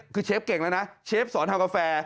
คือเชฟเก่งแล้วนะเชฟสอนทำกาแฟ